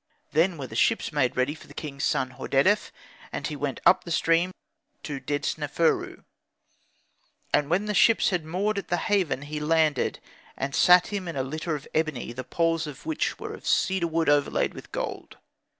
Then were the ships made ready for the king's son Hordedef, and he went up the stream to Dedsneferu. And when the ships had moored at the haven, he landed, and sat him in a litter of ebony, the poles of which were of cedar wood overlayed with gold.